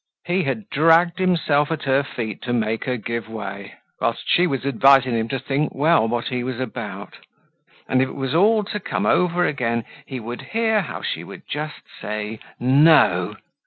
He had dragged himself at her feet to make her give way, whilst she was advising him to think well what he was about. And if it was all to come over again, he would hear how she would just say "no!"